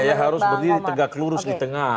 iya harus berdiri tengah kelurus di tengah